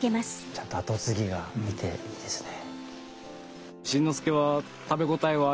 ちゃんと後継ぎがいていいですね。